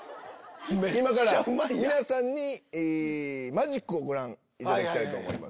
今から皆さんにマジックをご覧いただきたいと思います。